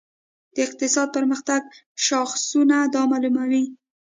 د اقتصادي پرمختګ شاخصونه دا معلوموي.